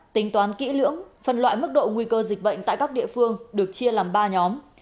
tính toán kỹ lưỡng phân loại mức độ nguy cơ dịch bệnh tại các địa phương được chia làm ba nhóm